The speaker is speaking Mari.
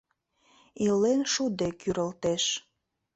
Илен шуде кӱрылтеш...